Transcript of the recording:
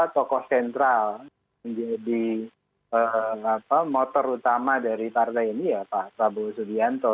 tokoh sentral menjadi motor utama dari partai ini ya pak prabowo subianto